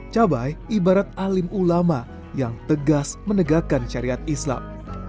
cabai ibarat alim ulama yang tegas menegakkan syariat islam